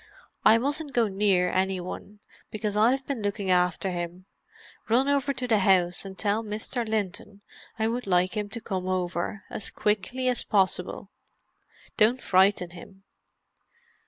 I mustn't go near any one, because I've been looking after him. Run over to the house and tell Mr. Linton I would like him to come over—as quickly as possible. Don't frighten him."